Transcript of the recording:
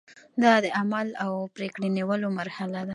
دا د عمل او پریکړې نیولو مرحله ده.